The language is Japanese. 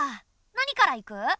何から行く？